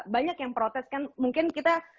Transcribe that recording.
banyak yang protes kan mungkin kita